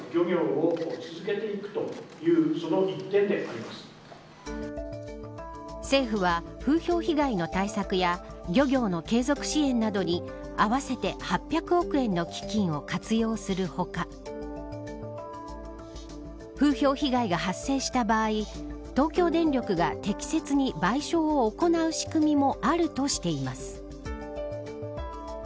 しかし。政府は、風評被害の対策や漁業の継続支援などに合わせて８００億円の基金を活用する他風評被害が発生した場合東京電力が適切に賠償を行う仕組みもあるとしています。